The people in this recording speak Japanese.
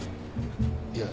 いや。